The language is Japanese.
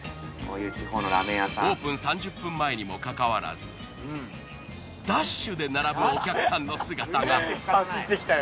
オープン３０分前にもかかわらずダッシュで並ぶお客さんの姿が。